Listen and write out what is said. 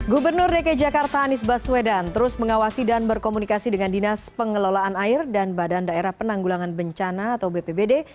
gubernur dki jakarta anies baswedan terus mengawasi dan berkomunikasi dengan dinas pengelolaan air dan badan daerah penanggulangan bencana atau bpbd